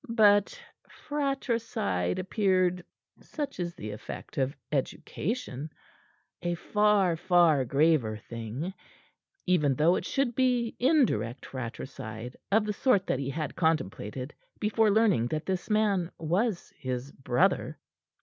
But fratricide appeared such is the effect of education a far, far graver thing, even though it should be indirect fratricide of the sort that he had contemplated before learning that this man was his brother.